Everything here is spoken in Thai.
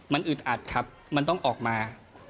มันอึดอัดครับมันต้องออกมา